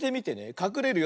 かくれるよ。